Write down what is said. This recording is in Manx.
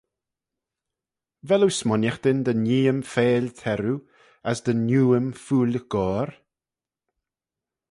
Vel oo smooinaghtyn dy nee-ym feill teirroo: as dy niu-ym fuill goair?